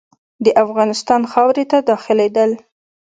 د افغانستان خاورې ته داخلیږي.